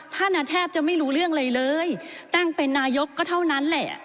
ท่านแทบจะไม่รู้เรื่องอะไรเลยตั้งเป็นนายกก็เท่านั้นแหละ